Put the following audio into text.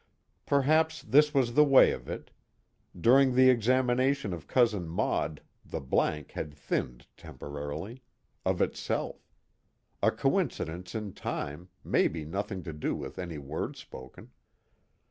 Perhaps this was the way of it: during the examination of Cousin Maud the Blank had thinned temporarily, of itself; a coincidence in time, maybe nothing to do with any word spoken.